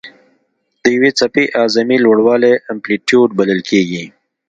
د یوې څپې اعظمي لوړوالی امپلیتیوډ بلل کېږي.